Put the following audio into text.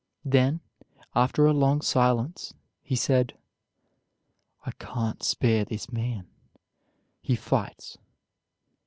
Then, after a long silence, he said: "I can't spare this man. He fights."